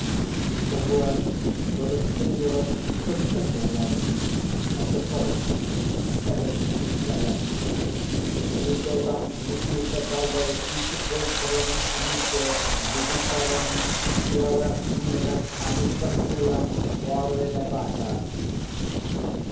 The words were the singular but simple ones of the poet Ebn Zaiat:—"Dicebant mihi sodales si sepulchrum amicae visitarem, curas meas aliquantulum fore levatas."